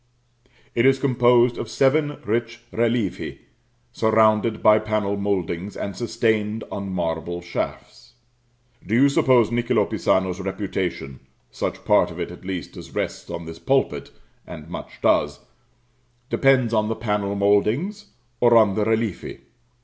It is composed of seven rich relievi, surrounded by panel mouldings, and sustained on marble shafts. Do you suppose Niccolo Pisano's reputation such part of it at least as rests on this pulpit (and much does) depends on the panel mouldings, or on the relievi?